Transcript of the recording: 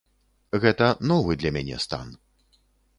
Гэта новы для мяне стан.